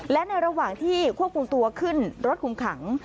และในระหว่างที่ควบคุมตัวขึ้นรถคุมขัง